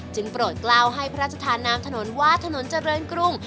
โปรดกล้าวให้พระราชธานามถนนว่าถนนเจริญกรุง